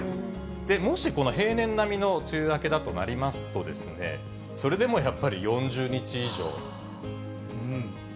もしこの平年並みの梅雨明けだとなりますとですね、それでもやっぱり４０日以上。